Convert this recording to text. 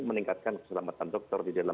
meningkatkan keselamatan dokter di dalam